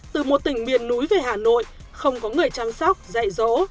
từ một tỉnh miền núi về hà nội không có người chăm sóc dạy dỗ